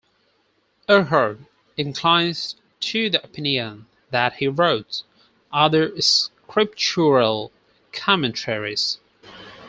Ehrhard inclines to the opinion that he wrote other scriptural commentaries.